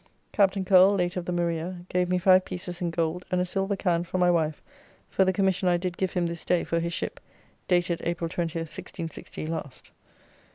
Captain Curle, late of the Maria, gave me five pieces in gold and a silver can for my wife for the Commission I did give him this day for his ship, dated April 20, 1660 last.